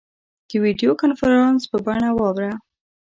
د ویډیو کنفرانس په بڼه واوراوه.